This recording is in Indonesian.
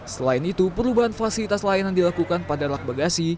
selain itu perubahan fasilitas layanan dilakukan pada lak bagasi